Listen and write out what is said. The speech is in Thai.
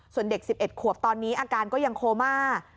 ส่วนเด็ก๑๑ขวบตอนนี้อาการก็ยังโคม่า